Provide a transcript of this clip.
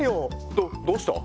どどうした？